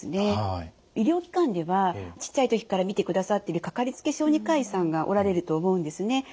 医療機関ではちっちゃい時から診てくださってるかかりつけ小児科医さんがおられると思うんですね。